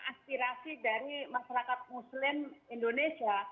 aspirasi dari masyarakat muslim indonesia